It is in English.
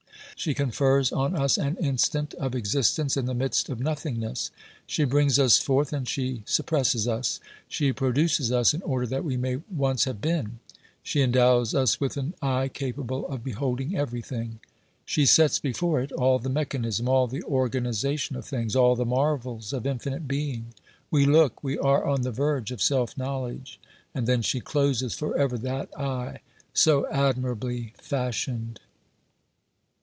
She confers on us an instant of existence in the midst of nothingness ; she brings us forth and she suppresses us ; she produces us in order that we may once have been. She endows us with an eye capable of beholding everything ; she OBERMANN 197 sets before it all the mechanism, all the organisation of things, all the marvels of infinite being ; we look, we are on the verge of self knowledge, and then she closes for ever that eye so admirably fashioned.